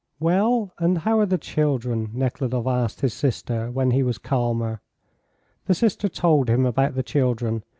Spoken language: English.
"Well, and how are the children?" Nekhludoff asked his sister when he was calmer. The sister told him about the children.